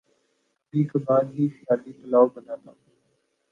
کبھی کبھار ہی خیالی پلاو بناتا ہوں